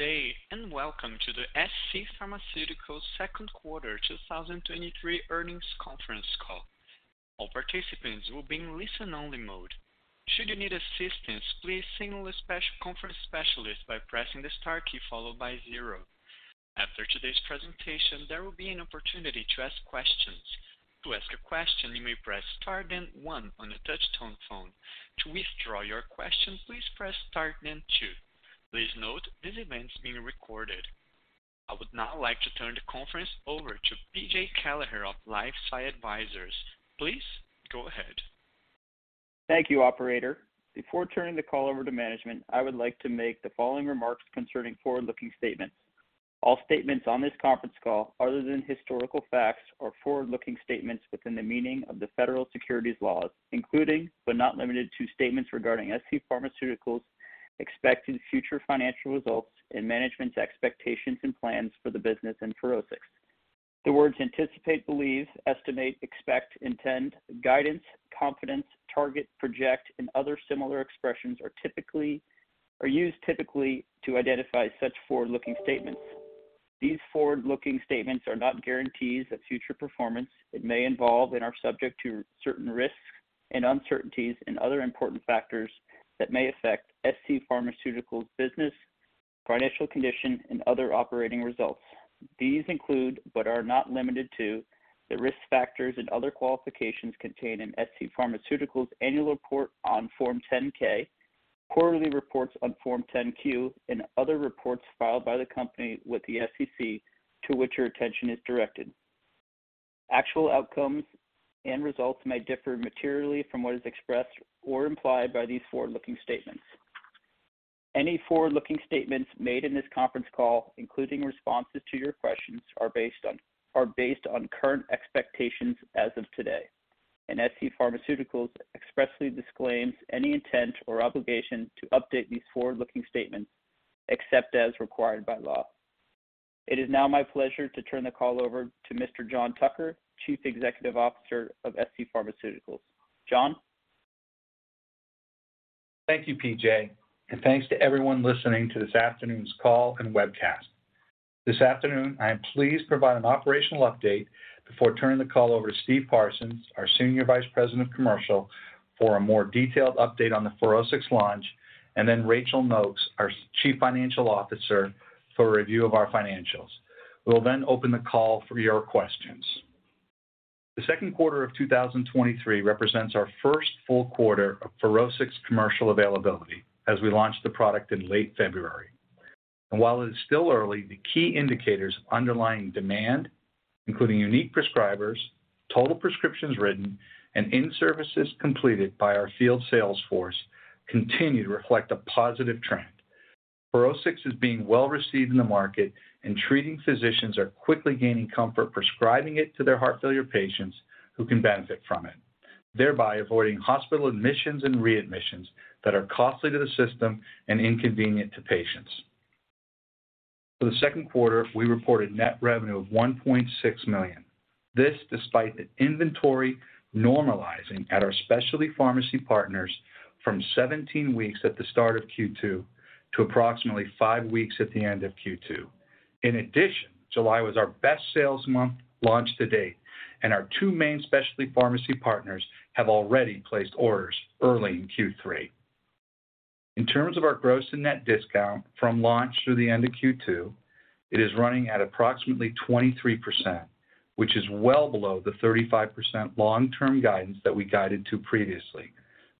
Good day, and welcome to the scPharmaceuticals second quarter 2023 earnings conference call. All participants will be in listen-only mode. Should you need assistance, please signal a special conference specialist by pressing the Star key followed by 0. After today's presentation, there will be an opportunity to ask questions. To ask a question, you may press Star, then 1 on the touchtone phone. To withdraw your question, please press Star, then 2. Please note, this event is being recorded. I would now like to turn the conference over to PJ Kelleher of LifeSci Advisors. Please go ahead. Thank you, operator. Before turning the call over to management, I would like to make the following remarks concerning forward-looking statements. All statements on this conference call, other than historical facts, are forward-looking statements within the meaning of the federal securities laws, including but not limited to, statements regarding scPharmaceuticals, expected future financial results, and management's expectations and plans for the business and FUROSCIX. The words anticipate, believe, estimate, expect, intend, guidance, confidence, target, project, and other similar expressions, are used typically to identify such forward-looking statements. These forward-looking statements are not guarantees of future performance and may involve and are subject to certain risks and uncertainties and other important factors that may affect scPharmaceuticals' business, financial condition, and other operating results. These include, but are not limited to, the risk factors and other qualifications contained in scPharmaceuticals' annual report on Form 10-K, quarterly reports on Form 10-Q, and other reports filed by the company with the SEC to which your attention is directed. Actual outcomes and results may differ materially from what is expressed or implied by these forward-looking statements. Any forward-looking statements made in this conference call, including responses to your questions, are based on current expectations as of today, and scPharmaceuticals expressly disclaims any intent or obligation to update these forward-looking statements, except as required by law. It is now my pleasure to turn the call over to Mr. John Tucker, Chief Executive Officer of scPharmaceuticals. John? Thank you, PJ Kelleher, and thanks to everyone listening to this afternoon's call and webcast. This afternoon, I am pleased to provide an operational update before turning the call over to Steve Parsons, our Senior Vice President of Commercial, for a more detailed update on the FUROSCIX launch, and then Rachael Nokes, our Chief Financial Officer, for a review of our financials. We will then open the call for your questions. The second quarter of 2023 represents our first full quarter of FUROSCIX commercial availability as we launched the product in late February. While it is still early, the key indicators of underlying demand, including unique prescribers, total prescriptions written, and in-services completed by our field sales force, continue to reflect a positive trend. FUROSCIX is being well-received in the market, treating physicians are quickly gaining comfort prescribing it to their heart failure patients who can benefit from it, thereby avoiding hospital admissions and readmissions that are costly to the system and inconvenient to patients. For the second quarter, we reported net revenue of $1.6 million. This, despite the inventory normalizing at our specialty pharmacy partners from 17 weeks at the start of Q2 to approximately 5 weeks at the end of Q2. July was our best sales month launched to date, our 2 main specialty pharmacy partners have already placed orders early in Q3. In terms of our gross and net discount from launch through the end of Q2, it is running at approximately 23%, which is well below the 35% long-term guidance that we guided to previously.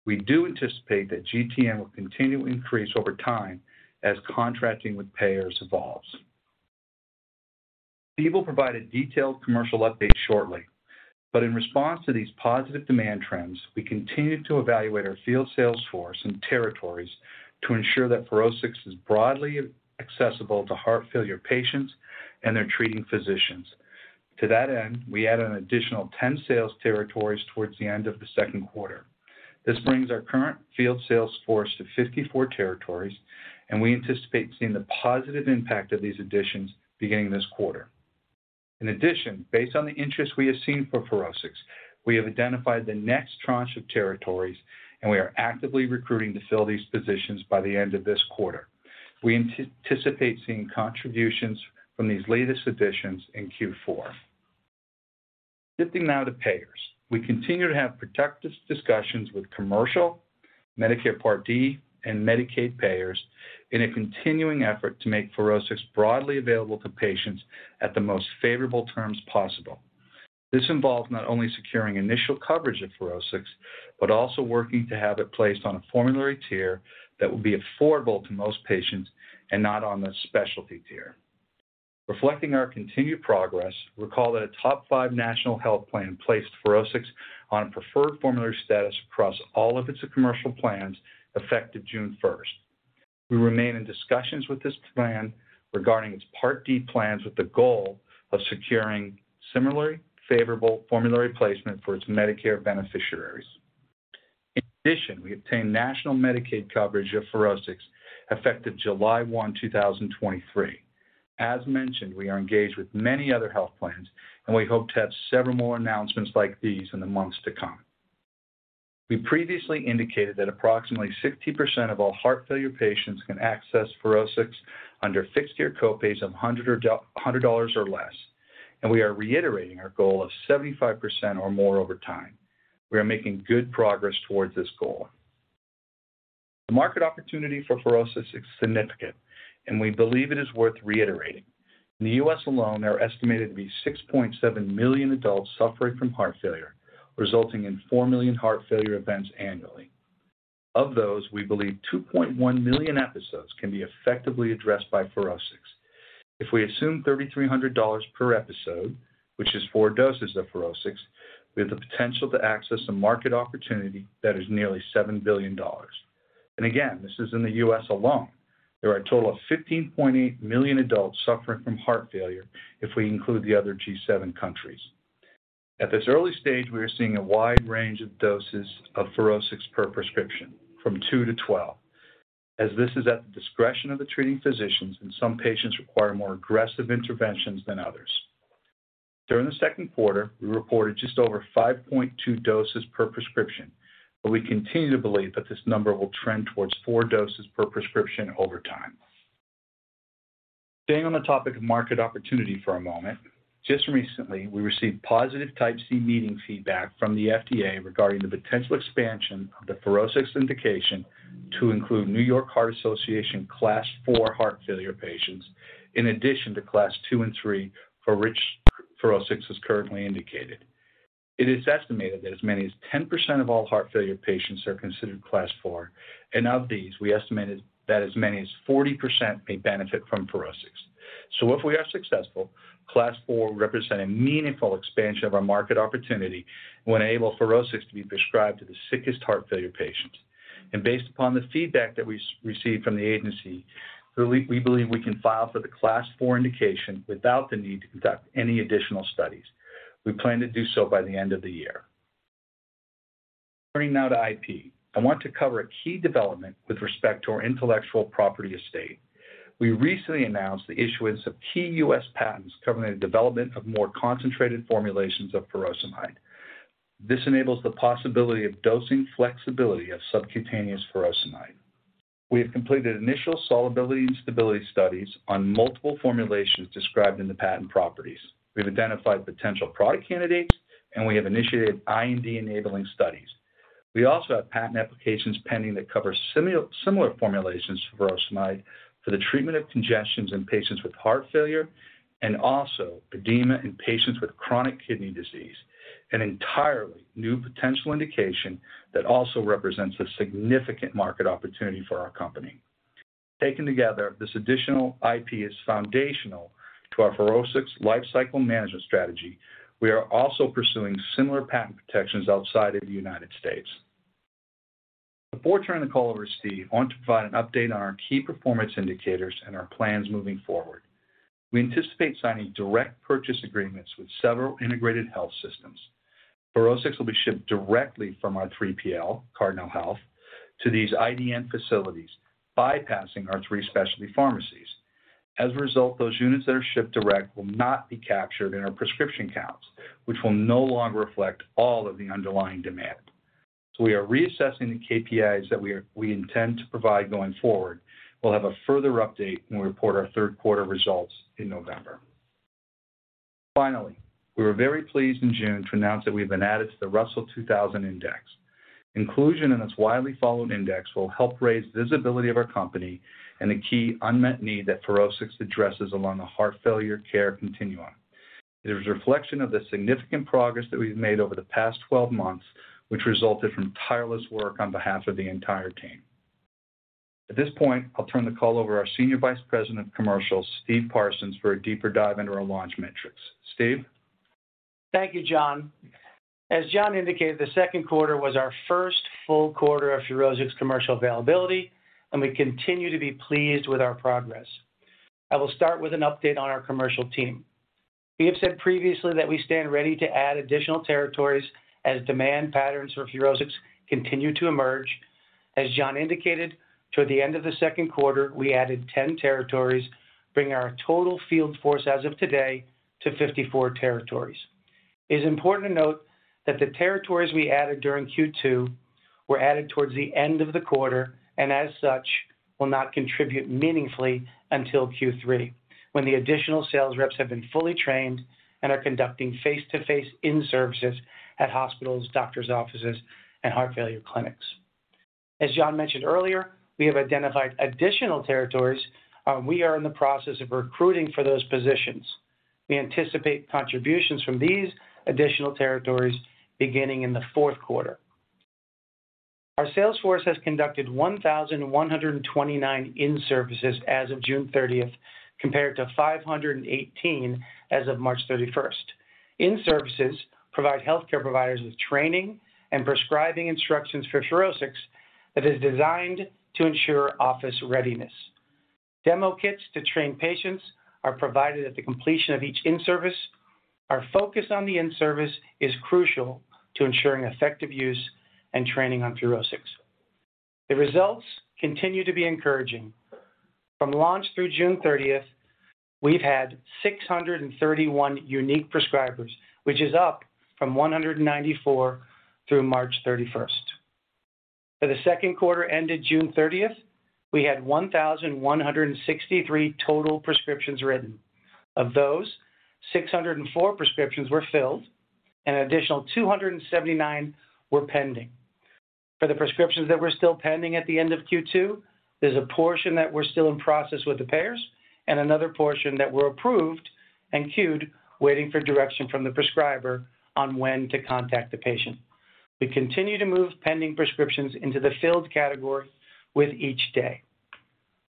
We do anticipate that GTM will continue to increase over time as contracting with payers evolves. Steve will provide a detailed commercial update shortly, but in response to these positive demand trends, we continue to evaluate our field sales force and territories to ensure that FUROSCIX is broadly accessible to heart failure patients and their treating physicians. To that end, we added an additional 10 sales territories towards the end of the second quarter. This brings our current field sales force to 54 territories, and we anticipate seeing the positive impact of these additions beginning this quarter. In addition, based on the interest we have seen for FUROSCIX, we have identified the next tranche of territories, and we are actively recruiting to fill these positions by the end of this quarter. We anticipate seeing contributions from these latest additions in Q4. Shifting now to payers. We continue to have protective discussions with commercial, Medicare Part D, and Medicaid payers in a continuing effort to make FUROSCIX broadly available to patients at the most favorable terms possible. This involves not only securing initial coverage of FUROSCIX, but also working to have it placed on a formulary tier that will be affordable to most patients and not on the specialty tier. Reflecting our continued progress, recall that a top 5 national health plan placed FUROSCIX on a preferred formulary status across all of its commercial plans, effective June first. We remain in discussions with this plan regarding its Part D plans, with the goal of securing similarly favorable formulary placement for its Medicare beneficiaries. In addition, we obtained national Medicaid coverage of FUROSCIX, effective July 1, 2023. As mentioned, we are engaged with many other health plans, and we hope to have several more announcements like these in the months to come. We previously indicated that approximately 60% of all heart failure patients can access FUROSCIX under fixed-tier co-pays of $100 or $100 or less, and we are reiterating our goal of 75% or more over time. We are making good progress towards this goal. The market opportunity for FUROSCIX is significant, and we believe it is worth reiterating. In the US alone, there are estimated to be 6.7 million adults suffering from heart failure, resulting in 4 million heart failure events annually. Of those, we believe 2.1 million episodes can be effectively addressed by FUROSCIX. If we assume $3,300 per episode, which is 4 doses of FUROSCIX, we have the potential to access a market opportunity that is nearly $7 billion. Again, this is in the US alone. There are a total of 15.8 million adults suffering from heart failure if we include the other G7 countries. At this early stage, we are seeing a wide range of doses of FUROSCIX per prescription, from 2 to 12, as this is at the discretion of the treating physicians, and some patients require more aggressive interventions than others. During the second quarter, we reported just over 5.2 doses per prescription. We continue to believe that this number will trend towards 4 doses per prescription over time. Staying on the topic of market opportunity for a moment, just recently, we received positive Type C meeting feedback from the FDA regarding the potential expansion of the FUROSCIX indication to include New York Heart Association Class IV heart failure patients, in addition to Class II and III, for which FUROSCIX is currently indicated. It is estimated that as many as 10% of all heart failure patients are considered Class IV, and of these, we estimated that as many as 40% may benefit from FUROSCIX. If we are successful, Class IV will represent a meaningful expansion of our market opportunity and will enable FUROSCIX to be prescribed to the sickest heart failure patients. Based upon the feedback that we've received from the agency, we believe we can file for the Class IV indication without the need to conduct any additional studies. We plan to do so by the end of the year. Turning now to IP, I want to cover a key development with respect to our intellectual property estate. We recently announced the issuance of key U.S. patents covering the development of more concentrated formulations of furosemide. This enables the possibility of dosing flexibility of subcutaneous furosemide. We have completed initial solubility and stability studies on multiple formulations described in the patent properties. We've identified potential product candidates, and we have initiated IND-enabling studies. We also have patent applications pending that cover similar formulations of furosemide for the treatment of congestions in patients with heart failure, and also edema in patients with chronic kidney disease, an entirely new potential indication that also represents a significant market opportunity for our company. Taken together, this additional IP is foundational to our FUROSCIX lifecycle management strategy. We are also pursuing similar patent protections outside of the United States. Before turning the call over to Steve, I want to provide an update on our key performance indicators and our plans moving forward. We anticipate signing direct purchase agreements with several integrated health systems. FUROSCIX will be shipped directly from our 3PL, Cardinal Health, to these IDN facilities, bypassing our three specialty pharmacies. As a result, those units that are shipped direct will not be captured in our prescription counts, which will no longer reflect all of the underlying demand. We are reassessing the KPIs that we intend to provide going forward. We'll have a further update when we report our third quarter results in November. Finally, we were very pleased in June to announce that we've been added to the Russell 2000 Index. Inclusion in this widely followed index will help raise visibility of our company and the key unmet need that FUROSCIX addresses along the heart failure care continuum. It is a reflection of the significant progress that we've made over the past 12 months, which resulted from tireless work on behalf of the entire team. At this point, I'll turn the call over to our Senior Vice President of Commercial, Steve Parsons, for a deeper dive into our launch metrics. Steve? Thank you, John. As John indicated, the second quarter was our first full quarter of FUROSCIX's commercial availability, and we continue to be pleased with our progress. I will start with an update on our commercial team. We have said previously that we stand ready to add additional territories as demand patterns for FUROSCIX continue to emerge. As John indicated, toward the end of the second quarter, we added 10 territories, bringing our total field force as of today to 54 territories. It is important to note that the territories we added during Q2 were added towards the end of the quarter, and as such, will not contribute meaningfully until Q3, when the additional sales reps have been fully trained and are conducting face-to-face in-services at hospitals, doctor's offices, and heart failure clinics. As John mentioned earlier, we have identified additional territories, and we are in the process of recruiting for those positions. We anticipate contributions from these additional territories beginning in the fourth quarter. Our sales force has conducted 1,129 in-services as of June 30th, compared to 518 as of March 31st. In-services provide healthcare providers with training and prescribing instructions for FUROSCIX that is designed to ensure office readiness. Demo kits to train patients are provided at the completion of each in-service. Our focus on the in-service is crucial to ensuring effective use and training on FUROSCIX. The results continue to be encouraging. From launch through June 30th, we've had 631 unique prescribers, which is up from 194 through March 31st. For the second quarter ended June 30th, we had 1,163 total prescriptions written. Of those, 604 prescriptions were filled, and an additional 279 were pending. For the prescriptions that were still pending at the end of Q2, there's a portion that we're still in process with the payers and another portion that were approved and queued, waiting for direction from the prescriber on when to contact the patient. We continue to move pending prescriptions into the filled category with each day.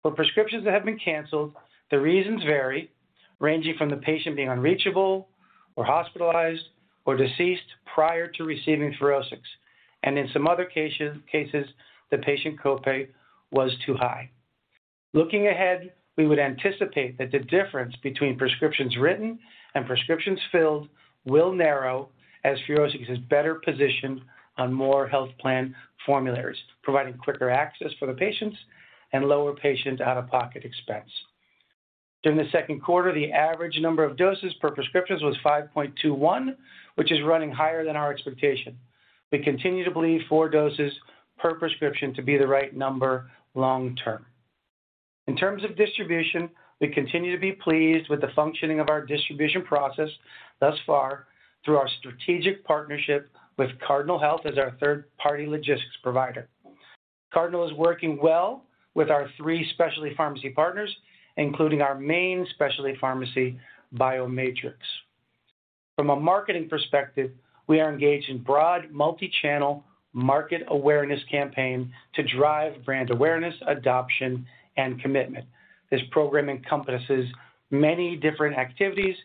For prescriptions that have been canceled, the reasons vary, ranging from the patient being unreachable or hospitalized or deceased prior to receiving FUROSCIX, and in some other cases, the patient copay was too high. Looking ahead, we would anticipate that the difference between prescriptions written and prescriptions filled will narrow as FUROSCIX is better positioned on more health plan formularies, providing quicker access for the patients and lower patient out-of-pocket expense. During the second quarter, the average number of doses per prescriptions was 5.21, which is running higher than our expectation. We continue to believe 4 doses per prescription to be the right number long term. In terms of distribution, we continue to be pleased with the functioning of our distribution process thus far through our strategic partnership with Cardinal Health as our third-party logistics provider. Cardinal is working well with our 3 specialty pharmacy partners, including our main specialty pharmacy, BioMatrix. From a marketing perspective, we are engaged in broad, multi-channel market awareness campaign to drive brand awareness, adoption, and commitment. This program encompasses many different activities,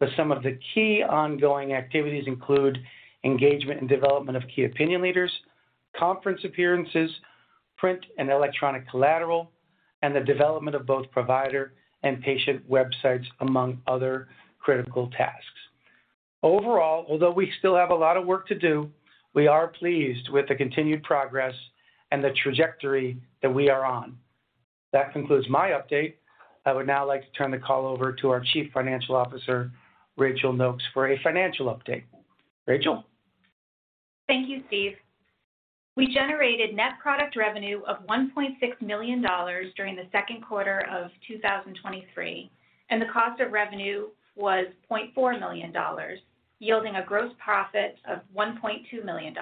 but some of the key ongoing activities include engagement and development of key opinion leaders, conference appearances, print and electronic collateral, and the development of both provider and patient websites, among other critical tasks. Overall, although we still have a lot of work to do, we are pleased with the continued progress and the trajectory that we are on. That concludes my update. I would now like to turn the call over to our Chief Financial Officer, Rachael Nokes, for a financial update. Rachael? Thank you, Steve. We generated net product revenue of $1.6 million during the second quarter of 2023, and the cost of revenue was $0.4 million, yielding a gross profit of $1.2 million.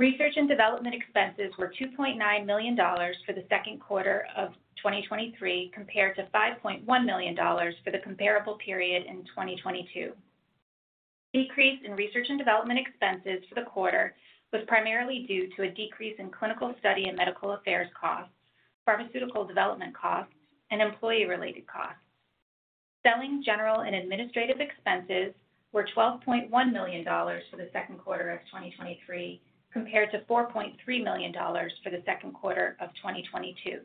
Research and development expenses were $2.9 million for the second quarter of 2023, compared to $5.1 million for the comparable period in 2022. Decrease in research and development expenses for the quarter was primarily due to a decrease in clinical study and medical affairs costs, pharmaceutical development costs, and employee-related costs. Selling, general, and administrative expenses were $12.1 million for the second quarter of 2023, compared to $4.3 million for the second quarter of 2022.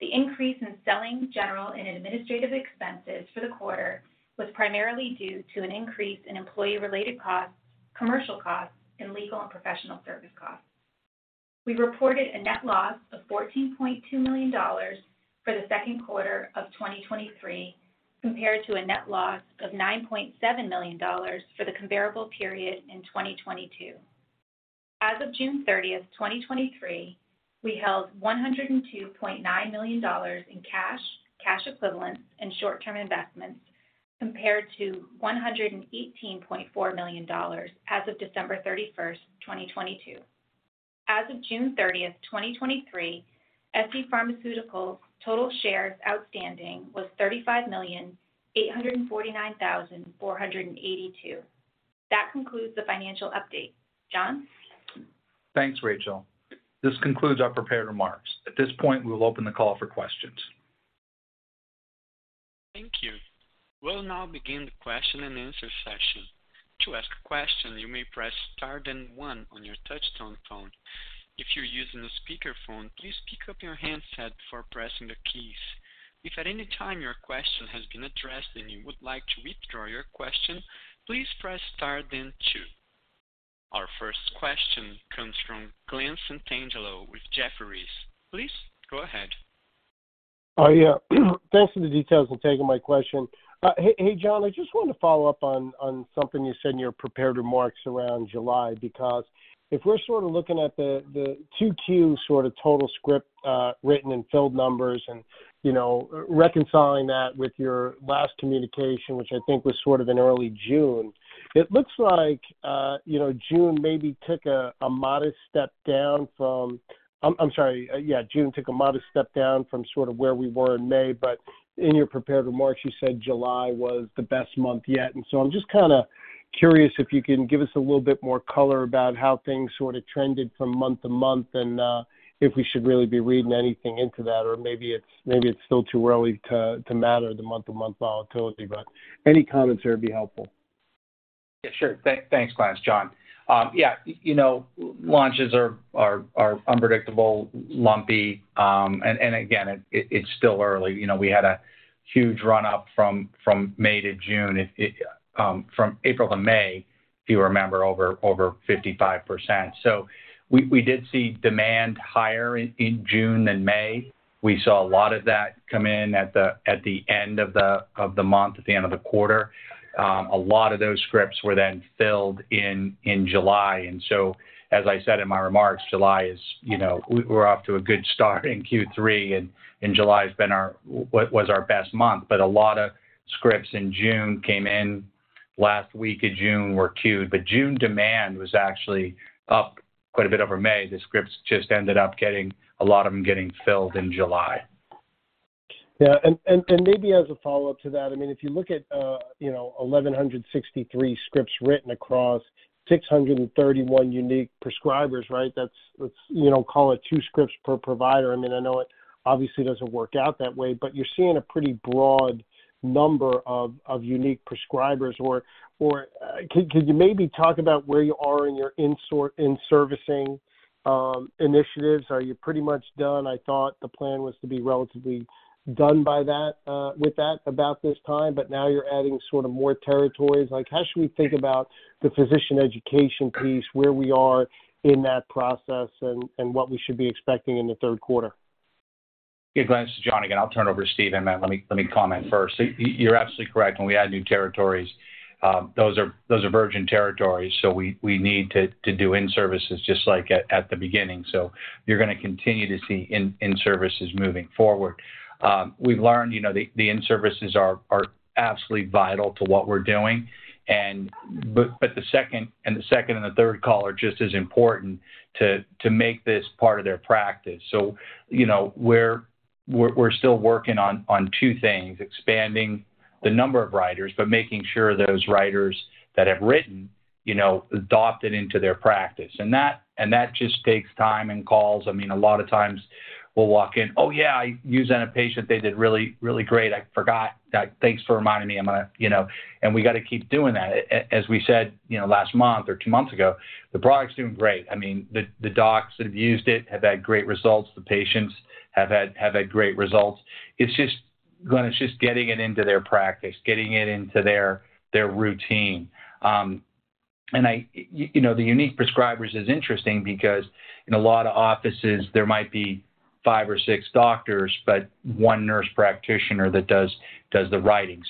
The increase in selling, general, and administrative expenses for the quarter was primarily due to an increase in employee-related costs, commercial costs, and legal and professional service costs. We reported a net loss of $14.2 million for the second quarter of 2023, compared to a net loss of $9.7 million for the comparable period in 2022. As of June 30th, 2023, we held $102.9 million in cash, cash equivalents, and short-term investments, compared to $118.4 million as of December 31st, 2022. As of June 30th, 2023, scPharmaceuticals' total shares outstanding was 35,849,482. That concludes the financial update. John? Thanks, Rachael. This concludes our prepared remarks. At this point, we will open the call for questions. Thank you. We'll now begin the question and answer session. To ask a question, you may press star then 1 on your touchtone phone. If you're using a speakerphone, please pick up your handset before pressing the keys. If at any time your question has been addressed and you would like to withdraw your question, please press star then 2. Our first question comes from Glen Santangelo with Jefferies. Please go ahead. Yeah, thanks for the details and taking my question. Hey, hey, John, I just wanted to follow up on, on something you said in your prepared remarks around July, because if we're sort of looking at the, the 2Q sort of total script, written and filled numbers and, you know, reconciling that with your last communication, which I think was sort of in early June, it looks like, you know, June maybe took a, a modest step down from... I'm sorry. Yeah, June took a modest step down from sort of where we were in May, but in your prepared remarks, you said July was the best month yet. I'm just curious if you can give us a little bit more color about how things sort of trended from month to month and, if we should really be reading anything into that, or maybe it's, maybe it's still too early to, to matter, the month-to-month volatility, but any comments there would be helpful. Yeah, sure. Thanks, Glen. It's John. Yeah launches are, are, are unpredictable, lumpy, and again, it, it's still early. We had a huge run up from, from May to June. It, it, from April to May, if you remember, over 55%. We did see demand higher in, in June than May. We saw a lot of that come in at the, at the end of the, of the month, at the end of the quarter. A lot of those scripts were then filled in, in July. As I said in my remarks, July is, you know, we're off to a good start in Q3, and in July has been our... was our best month. A lot of scripts in June came in. Last week of June were queued, but June demand was actually up quite a bit over May. The scripts just ended up getting, a lot of them getting filled in July. Yeah, and as a follow-up to that, if you look at 1,163 scripts written across 631 unique prescribers, right? That's, let's, you know, call it two scripts per provider.I know it obviously doesn't work out that way, but you're seeing a pretty broad number of unique prescribers. Or, can you maybe talk about where you are in your in-servicing initiatives? Are you pretty much done? I thought the plan was to be relatively done by that, with that about this time, but now you're adding sort of more territories. Like, how should we think about the physician education piece, where we are in that process and what we should be expecting in the third quarter? Hey, Glen, this is John again. I'll turn it over to Steve. Then let me, let me comment first. You're absolutely correct. When we add new territories, those are virgin territories, so we need to do in-services just like at the beginning. You're gonna continue to see in-services moving forward. We've learned, you know, the in-services are absolutely vital to what we're doing. But the second, and the second and the third call are just as important to make this part of their practice. You know, we're still working on two things: expanding the number of writers, but making sure those writers that have written, you know, adopt it into their practice. That, and that just takes time and calls. I mean, a lot of times we'll walk in, "Oh, yeah, I used that on a patient. They did really, really great. I forgot. thanks for reminding me. I'm gonna..." You know, we gotta keep doing that. as we said, you know, last month or two months ago, the product's doing great. I mean, the, the docs that have used it have had great results. The patients have had, have had great results. It's just getting it into their practice, getting it into their, their routine. The unique prescribers is interesting because in a lot of offices, there might be five or six doctors, but one nurse practitioner that does, does the writing.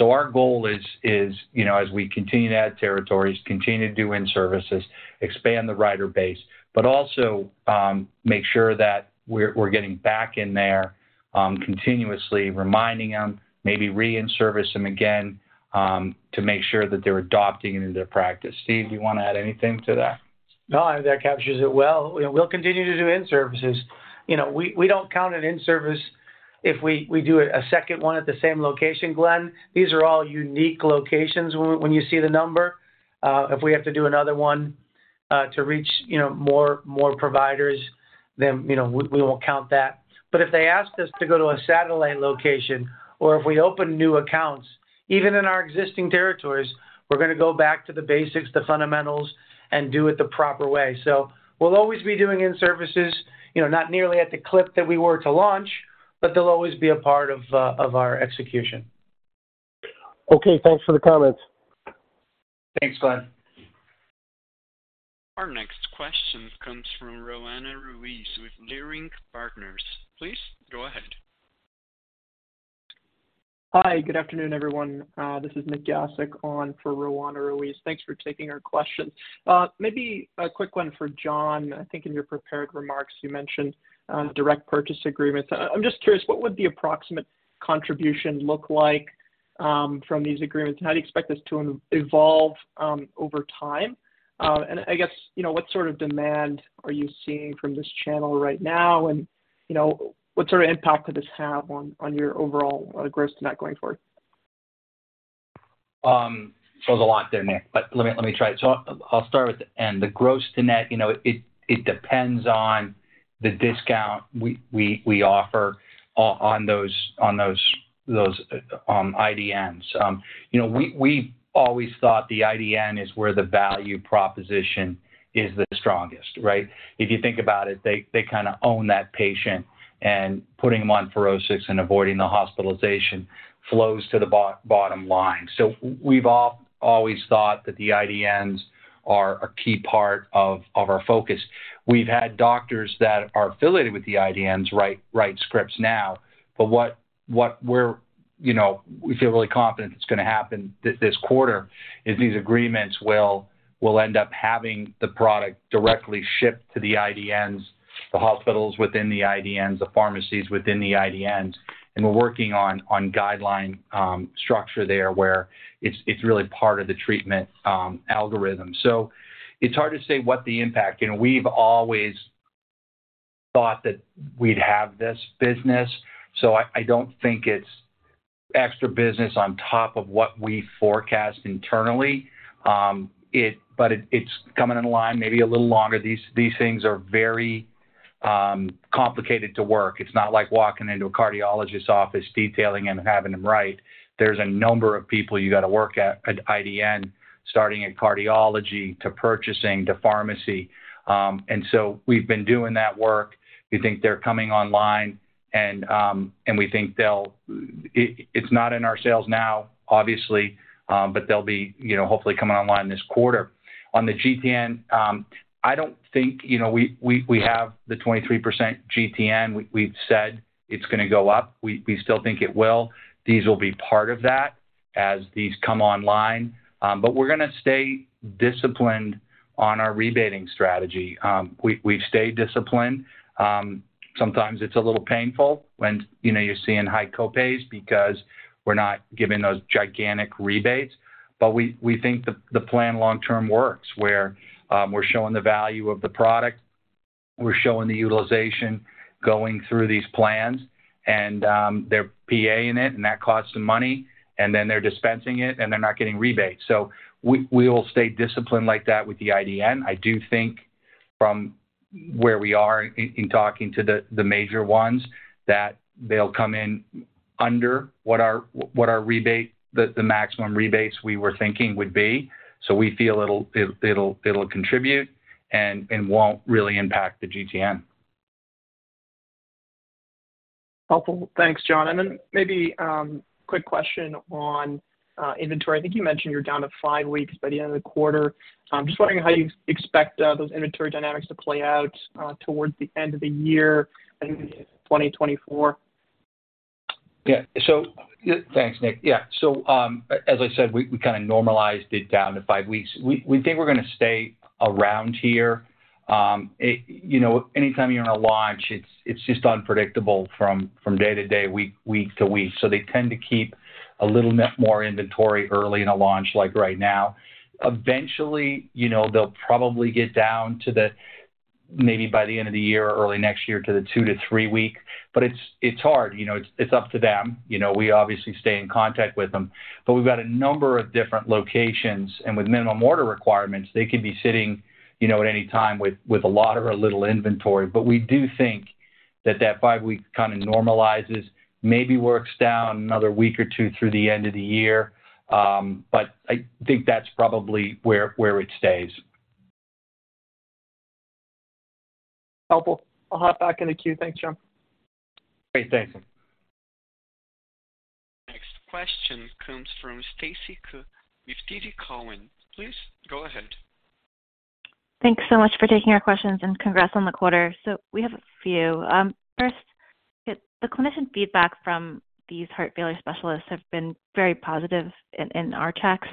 Our goal is, is, you know, as we continue to add territories, continue to do in-services, expand the writer base, but also, make sure that we're, we're getting back in there, continuously reminding them, maybe re-in-service them again, to make sure that they're adopting it into their practice. Steve, do you want to add anything to that? No, that captures it well. We'll continue to do in-services. You know, we, we don't count an in-service if we, we do a, a second one at the same location, Glenn. These are all unique locations when, when you see the number. If we have to do another one, to reach, you know, more, more providers, then, you know, we, we won't count that. If they ask us to go to a satellite location or if we open new accounts, even in our existing territories, we're gonna go back to the basics, the fundamentals, and do it the proper way. We'll always be doing in-services, you know, not nearly at the clip that we were to launch, but they'll always be a part of, of our execution. Okay, thanks for the comments. Thanks, Glenn. Our next question comes from Roanna Ruiz with Leerink Partners. Please go ahead. Hi, good afternoon, everyone. This is Nicholas Jasik on for Roanna Ruiz. Thanks for taking our question. Maybe a quick one for John. I think in your prepared remarks, you mentioned direct purchase agreements. I'm just curious, what would the approximate contribution look like from these agreements? How do you expect this to evolve over time? I guess, you know, what sort of demand are you seeing from this channel right now? You know, what sort of impact could this have on, on your overall gross net going forward? There's a lot there, Nick, but let me, let me try it. I'll start with the end. The gross to net, you know, it, it depends on the discount we, we, we offer on-on those, on those, those IDNs. You know, we, we always thought the IDN is where the value proposition is the strongest, right? If you think about it, they, they kinda own that patient, and putting them on FUROSCIX and avoiding the hospitalization flows to the bottom line. We've always thought that the IDNs are a key part of, of our focus. We've had doctors that are affiliated with the IDNs write, write scripts now, but what, what we're... We feel really confident it's gonna happen this quarter, is these agreements will, will end up having the product directly shipped to the IDNs, the hospitals within the IDNs, the pharmacies within the IDNs, and we're working on, on guideline structure there, where it's, it's really part of the treatment algorithm. It's hard to say what the impact. We've always thought that we'd have this business, so I, I don't think it's extra business on top of what we forecast internally. It, but it, it's coming in line maybe a little longer. These, these things are very complicated to work. It's not like walking into a cardiologist's office, detailing him, and having him write. There's a number of people you got to work at, at IDN, starting in cardiology, to purchasing, to pharmacy. We've been doing that work. We think they're coming online, and, and we think it's not in our sales now, obviously, but they'll be, you know, hopefully coming online this quarter. On the GTN, I don't think, you know, we, we, we have the 23% GTN. We, we've said it's gonna go up. We, we still think it will. These will be part of that as these come online. We're gonna stay disciplined on our rebating strategy. We, we've stayed disciplined. Sometimes it's a little painful when, you know, you're seeing high copays because we're not giving those gigantic rebates, but we, we think the, the plan long term works, where, we're showing the value of the product, we're showing the utilization going through these plans, and, they're PA in it, and that costs them money, and then they're dispensing it, and they're not getting rebates. We, will stay disciplined like that with the IDN. I do think from where we are in, in talking to the, the major ones, that they'll come in under what our, what our rebate, the, the maximum rebates we were thinking would be. We feel it'll, it'll, it'll contribute and, and won't really impact the GTN. Helpful. Thanks, John. Then maybe, quick question on, inventory. I think you mentioned you're down to 5 weeks by the end of the quarter. Just wondering how you expect, those inventory dynamics to play out, towards the end of the year, I think, 2024? Yeah. Thanks, Nick. Yeah. As I said, we, we kinda normalized it down to 5 weeks. We, we think we're gonna stay around here. You know, anytime you're in a launch, it's, it's just unpredictable from, from day to day, week, week to week, so they tend to keep a little bit more inventory early in a launch like right now. Eventually, you know, they'll probably get down to the maybe by the end of the year or early next year to the 2 to 3 week, but it's, it's hard, you know. It's, it's up to them. You know, we obviously stay in contact with them, but we've got a number of different locations, and with minimum order requirements, they could be sitting, you know, at any time with, with a lot or a little inventory. We do think that that 5 weeks kind of normalizes, maybe works down another 1 or 2 weeks through the end of the year. I think that's probably where, where it stays. Helpful. I'll hop back in the queue. Thanks, John. Great. Thanks. Next question comes from Stacy Ku, with TD Cowen. Please, go ahead. Thanks so much for taking our questions, and congrats on the quarter. We have a few. First, the clinician feedback from these heart failure specialists have been very positive in, in our checks.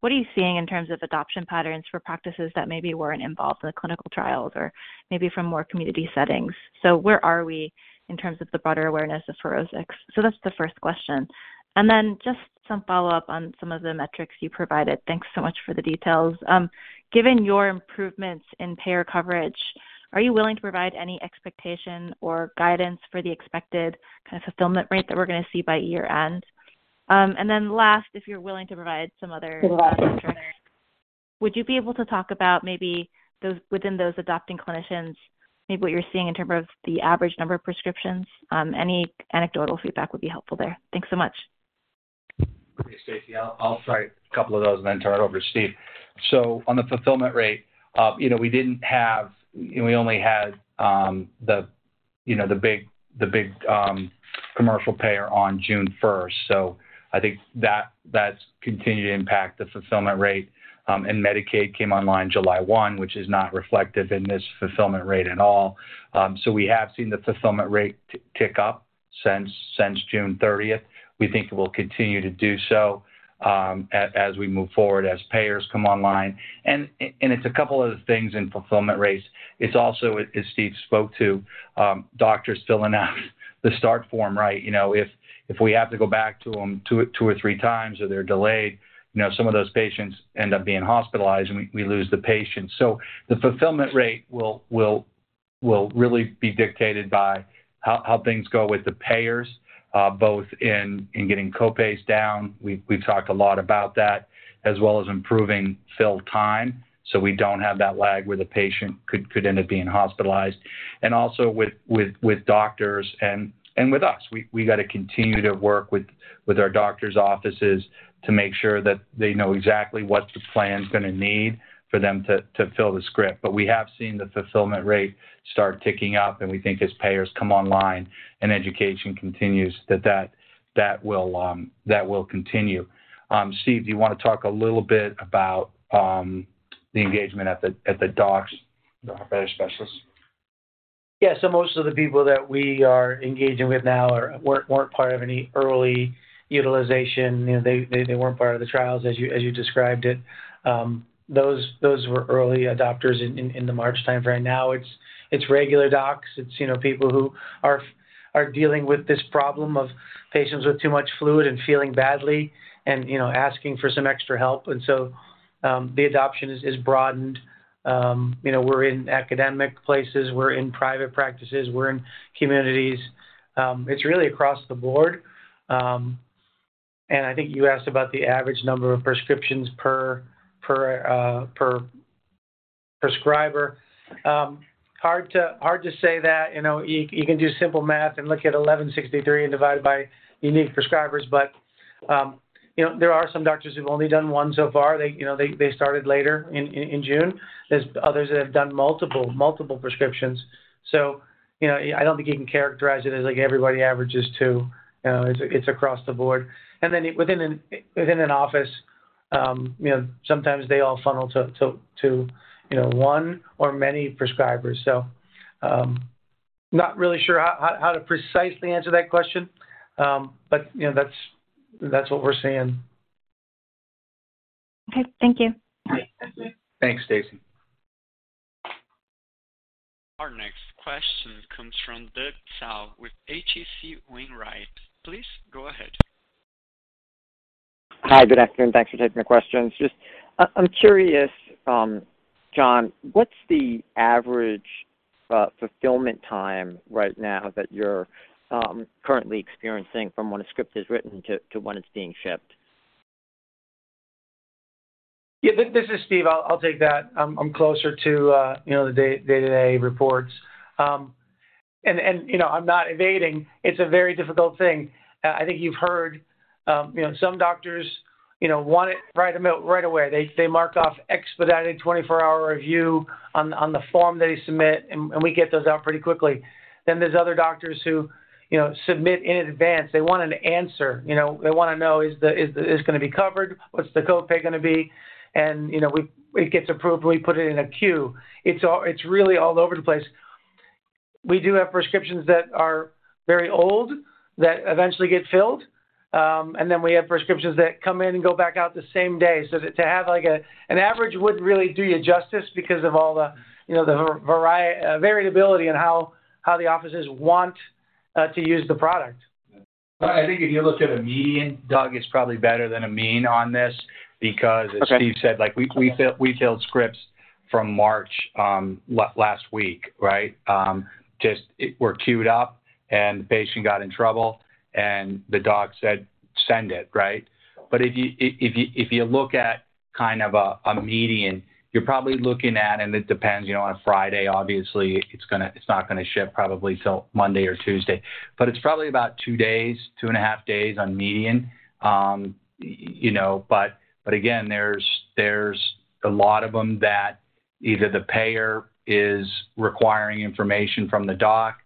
What are you seeing in terms of adoption patterns for practices that maybe weren't involved in the clinical trials or maybe from more community settings? Where are we in terms of the broader awareness of Farxiga? That's the first question. Then just some follow-up on some of the metrics you provided. Thanks so much for the details. Given your improvements in payer coverage, are you willing to provide any expectation or guidance for the expected kind of fulfillment rate that we're gonna see by year-end? Last, if you're willing to provide some other would you be able to talk about maybe those, within those adopting clinicians, maybe what you're seeing in terms of the average number of prescriptions? Any anecdotal feedback would be helpful there. Thanks so much. Hey, Stacy. I'll start a couple of those and then turn it over to Steve. On the fulfillment rate, you know, we didn't have, we only had, the big, commercial payer on June 1st, so I think that's continued to impact the fulfillment rate. Medicaid came online July 1, which is not reflective in this fulfillment rate at all. We have seen the fulfillment rate tick up since June 30th. We think it will continue to do so, as we move forward, as payers come online. It's a couple other things in fulfillment rates. It's also, as Steve spoke to, doctors filling out the start form right. If we have to go back to them two, two or three times or they're delayed some of those patients end up being hospitalized, and we lose the patient. The fulfillment rate will, will, will really be dictated by how, how things go with the payers, both in, in getting copays down, we, we've talked a lot about that, as well as improving fill time, so we don't have that lag where the patient could, could end up being hospitalized. Also with, with, with doctors and, and with us. We, we gotta continue to work with our doctor's offices to make sure that they know exactly what the plan's gonna need for them to, to fill the script. We have seen the fulfillment rate start ticking up, and we think as payers come online and education continues that will continue. Steve, do you wanna talk a little bit about the engagement at the, at the docs, the heart failure specialists? Yeah. Most of the people that we are engaging with now weren't, weren't part of any early utilization. They weren't part of the trials, as you, as you described it. Those were early adopters in, in, in the March timeframe. Now it's, it's regular docs, it's, you know, people who are dealing with this problem of patients with too much fluid and feeling badly and asking for some extra help. The adoption is, is broadened. You know, we're in academic places, we're in private practices, we're in communities. It's really across the board. I think you asked about the average number of prescriptions per, per, per prescriber. Hard to say that, you know, you, you can do simple math and look at 1,163 and divide it by unique prescribers. There are some doctors who've only done one so far. They started later in, in, in June. There's others that have done multiple, multiple prescriptions. You can characterize it as, like, everybody averages two. You know, it's, it's across the board. Within an, within an office, you know, sometimes they all funnel to, to, to, you know, one or many prescribers. Not really sure how, how, how to precisely answer that question. You know, that's, that's what we're seeing. Okay. Thank you. Thanks, Stacy. Our next question comes from Doug Tsao with H.C. Wainwright & Co. Please go ahead. Hi, good afternoon. Thanks for taking the questions. Just, I, I'm curious, John, what's the average fulfillment time right now that you're currently experiencing from when a script is written to, to when it's being shipped? Yeah. This, this is Steve. I'll, I'll take that. I'm, I'm closer to, you know, day-to-day reports. You know, I'm not evading. It's a very difficult thing. I think you've heard, you know, some doctors, you know, want it right away. They, they mark off expedited 24-hour review on, on the form they submit, and, and we get those out pretty quickly. There's other doctors who, you know, submit in advance. They want an answer, you know? They wanna know, is the... Is this gonna be covered, what's the copay gonna be? You know, we, it gets approved, we put it in a queue. It's really all over the place. We do have prescriptions that are very old that eventually get filled, and then we have prescriptions that come in and go back out the same day. To, to have, like, an average wouldn't really do you justice because of all the, you know, the variability in how, how the offices want to use the product. I think if you looked at a median, Doug, it's probably better than a mean on this because. Okay. As Steve said, like, we, we filled, we filled scripts from March, last week, right? Just it were queued up, and the patient got in trouble, and the doc said, "Send it," right? If you if you, if you look at kind of a median, you're probably looking at, and it depends on a Friday, obviously, it's not gonna ship probably till Monday or Tuesday. It's probably about two days, two and a half days on median. Again, there's a lot of them that either the payer is requiring information from the doc,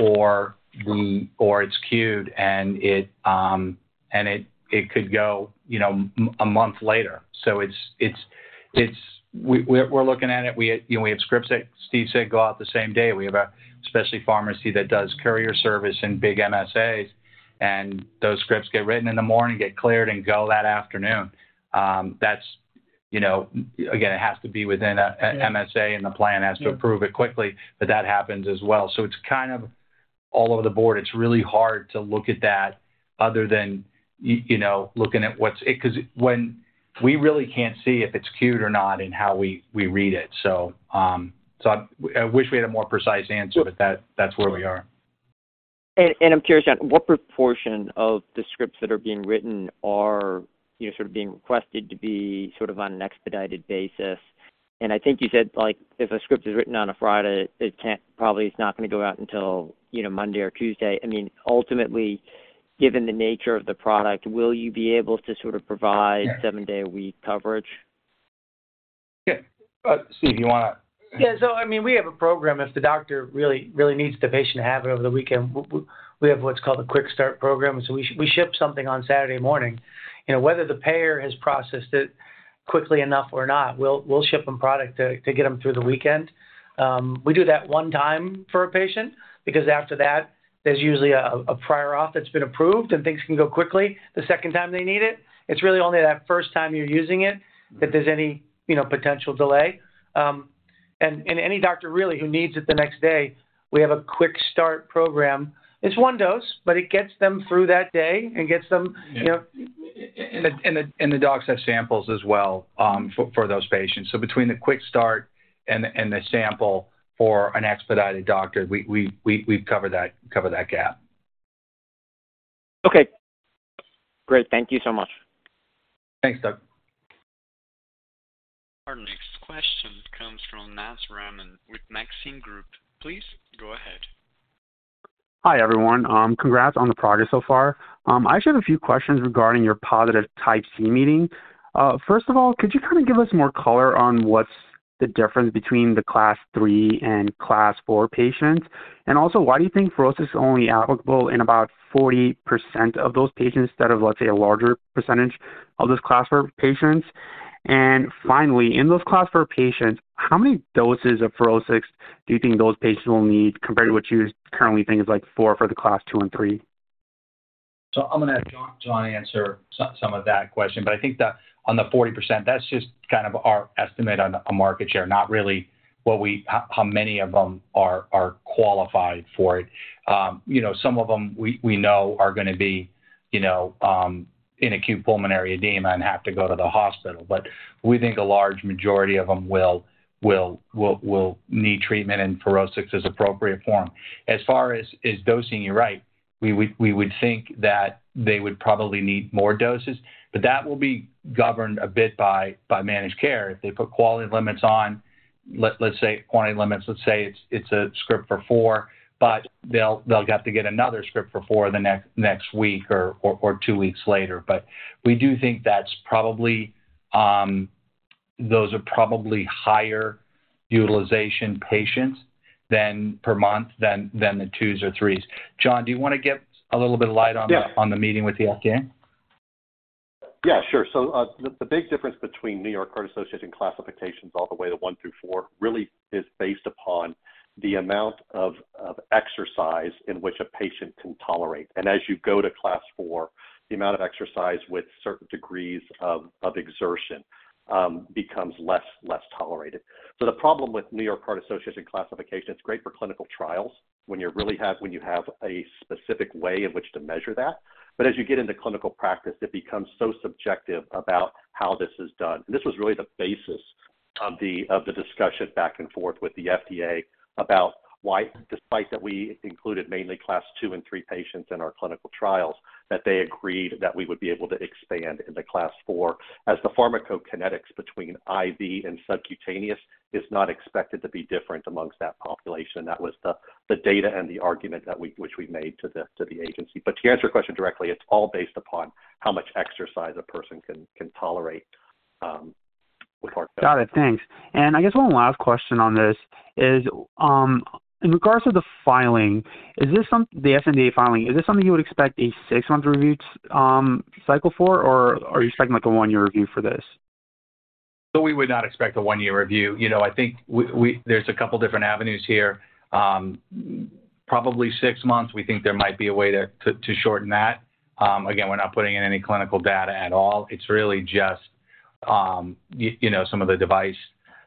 or or it's queued, and it it could go, you know, one month later. It's, it's, it's... We, we're, we're looking at it. We have scripts that Steve said go out the same day. We have a specialty pharmacy that does courier service and big MSA, and those scripts get written in the morning, get cleared, and go that afternoon. That's, you know, again, it has to be within a, an MSA. Yeah. The plan has to approve it quickly, but that happens as well. It's kind of all over the board. It's really hard to look at that other than you know, looking at what's, because when we really can't see if it's queued or not in how we, we read it. I, I wish we had a more precise answer. Sure. That, that's where we are. I'm curious, John, what proportion of the scripts that are being written are, you know, sort of being requested to be sort of on an expedited basis? I think you said, like, if a script is written on a Friday, it can't, probably is not gonna go out until, you know, Monday or Tuesday. Ultimately, given the nature of the product, will you be able to sort of provide 7-day-a-week coverage? Yeah. Steve, you wanna? I mean, we have a program if the doctor really, really needs the patient to have it over the weekend. We have what's called a Quick Start Program, and so we, we ship something on Saturday morning. You know, whether the payer has processed it quickly enough or not, we'll, we'll ship them product to, to get them through the weekend. We do that 1 time for a patient because after that, there's usually a prior authorization that's been approved, and things can go quickly the second time they need it. It's really only that first time you're using it, that there's any potential delay. Any doctor really who needs it the next day, we have a Quick Start Program. It's 1 dose, but it gets them through that day and gets them, you know- Yeah. The docs have samples as well, for those patients. Between the quick start and the sample for an expedited doctor, we've covered that, covered that gap. Okay. Great. Thank you so much. Thanks, Doug. Our next question comes from Nazibur Rahman with Maxim Group. Please go ahead. Hi, everyone. Congrats on the progress so far. I just have a few questions regarding your positive Type C meeting. First of all, could you kind of give us more color on what's the difference between the Class III and Class IV patients? Also, why do you think FUROSCIX is only applicable in about 40% of those patients instead of, let's say, a larger percentage of those Class IV patients? Finally, in those Class IV patients, how many doses of FUROSCIX do you think those patients will need compared to what you currently think is, like, 4 for the Class II and 3? I'm gonna have John, John answer some of that question, but I think, on the 40%, that's just kind of our estimate on a market share, not really what we. How many of them are qualified for it. You know, some of them, we know are gonna be, you know, in acute pulmonary edema and have to go to the hospital. We think a large majority of them will, will, will, will need treatment, and FUROSCIX is appropriate form. As far as dosing, you're right. We would, we would think that they would probably need more doses, but that will be governed a bit by, by managed care. If they put quality limits on, let, let's say, quantity limits, let's say it's, it's a script for 4, but they'll, they'll have to get another script for 4 the next, next week or, or, or 2 weeks later. We do think that's probably those are probably higher utilization patients than per month, than, than the 2s or 3s. John, do you want to get a little bit of light on the- Yeah. On the meeting with the FDA? Yeah, sure. The big difference between New York Heart Association classifications all the way to 1 through 4, really is based upon the amount of, of exercise in which a patient can tolerate. As you go to Class IV, the amount of exercise with certain degrees of, of exertion, becomes less, less tolerated. The problem with New York Heart Association classification, it's great for clinical trials when you really have, when you have a specific way in which to measure that. As you get into clinical practice, it becomes so subjective about how this is done. This was really the basis of the, of the discussion back and forth with the FDA about why, despite that we included mainly Class II and III patients in our clinical trials, that they agreed that we would be able to expand into Class IV. As the pharmacokinetics between IV and subcutaneous is not expected to be different amongst that population. That was the, the data and the argument that which we made to the, to the agency. To answer your question directly, it's all based upon how much exercise a person can, can tolerate, with heart failure. Got it, thanks. I guess one last question on this is, in regards to the filing, the FDA filing, is this something you would expect a 6-month review cycle for, or are you expecting, like, a 1-year review for this? We would not expect a 1-year review. You know, I think we, there's a couple different avenues here. Probably 6 months. We think there might be a way to, to, to shorten that. Again, we're not putting in any clinical data at all. It's really just, you know, some of the device,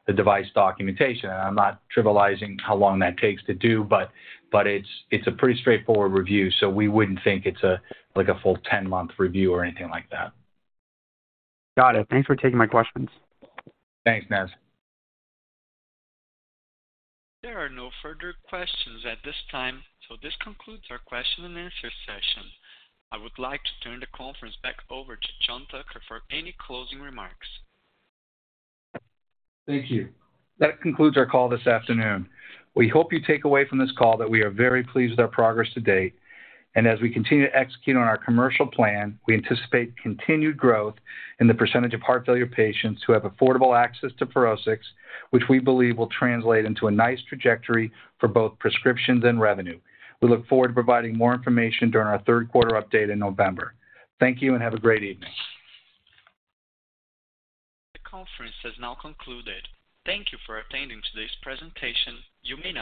the device documentation. I'm not trivializing how long that takes to do, but, but it's, it's a pretty straightforward review, so we wouldn't think it's a, like a full 10-month review or anything like that. Got it. Thanks for taking my questions. Thanks, Naz. There are no further questions at this time, so this concludes our question and answer session. I would like to turn the conference back over to John Tucker for any closing remarks. Thank you. That concludes our call this afternoon. We hope you take away from this call that we are very pleased with our progress to date, as we continue to execute on our commercial plan, we anticipate continued growth in the percentage of heart failure patients who have affordable access to FUROSCIX, which we believe will translate into a nice trajectory for both prescriptions and revenue. We look forward to providing more information during our third quarter update in November. Thank you. Have a great evening. The conference has now concluded. Thank you for attending today's presentation. You may now-